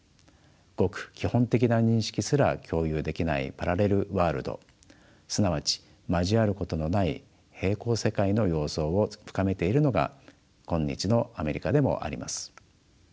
ごく基本的な認識すら共有できないパラレルワールドすなわち「交わることのない並行世界」の様相を深めているのが今日のアメリカでもあります。